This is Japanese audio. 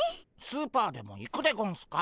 スーパーでも行くでゴンスか？